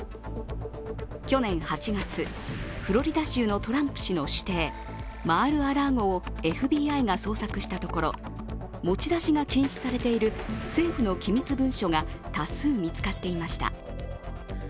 去年８月、フロリダ州のトランプ氏の私邸マール・ア・ラーゴをＦＢＩが捜索したところ、持ち出しが禁止されている政府の機密文書が多数見つかっていました。